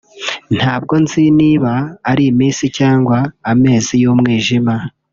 ntabwo nzi niba ari iminsi cyangwa amezi y’umwijima